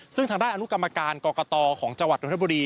ซึ่งทางด้านอนุกรรมการกรกตของจังหวัดนทบุรี